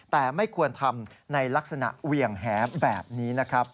แต่ไม่ควรทำในลักษณะเหวี่ยงแหแบบนี้นะครับ